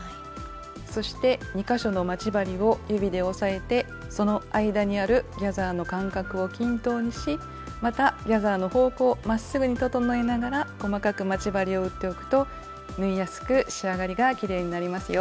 そして２か所の待ち針を指で押さえてその間にあるギャザーの間隔を均等にしまたギャザーの方向をまっすぐに整えながら細かく待ち針を打っておくと縫いやすく仕上がりがきれいになりますよ。